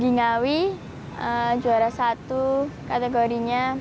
gingawi juara satu kategorinya